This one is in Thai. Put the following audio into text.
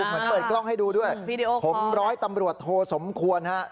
เหมือนเปิดกล้องให้ดูด้วยผมร้อยตำรวจโทสมควรฮะ